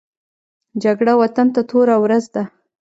جګړه وطن ته توره ورځ ده